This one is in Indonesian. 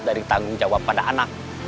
dari tanggung jawab pada anak